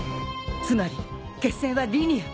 つまり決戦はリニア。